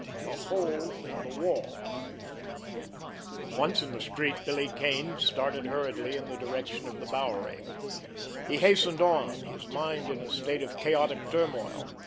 XIX—A HOLE IN THE WALL Once in the street, Billy Kane started hurriedly in the direction of the Bowery. He hastened on, his mind in a state of chaotic turmoil.